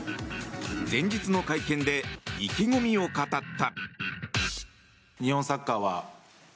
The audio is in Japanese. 前日の会見で意気込みを語った。